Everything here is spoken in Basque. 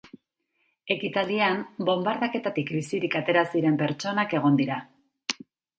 Ekitaldian, bonbardaketatik bizirik atera ziren pertsonak egon dira.